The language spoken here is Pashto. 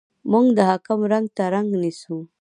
موږ د حاکم رنګ ته رنګ نیسو.